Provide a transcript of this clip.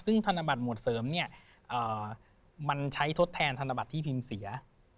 ซึ่งธนบัตรหมวดเสริมเนี่ยมันใช้ทดแทนธนบัตรที่พิมพ์เสีย